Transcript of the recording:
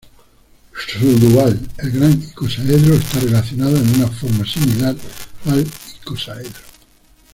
Su dual, el gran icosaedro, está relacionado en un forma similar al icosaedro.